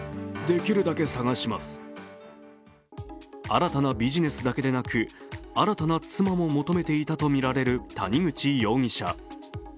新たなビジネスだけでなく新たな妻も求めていたとみられる谷口容疑者。